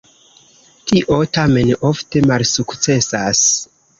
Tio tamen ofte malsukcesas.